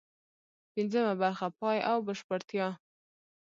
پنځمه برخه: پای او بشپړتیا